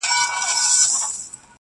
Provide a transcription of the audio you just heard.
کلونه کیږي په خوبونو کي راتللې اشنا!!